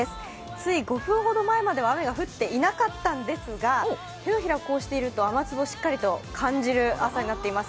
つい５分ほど前までは雨が降っていなかったんですが、手のひらをこうしていると、雨粒をしっかりと感じる朝になっています。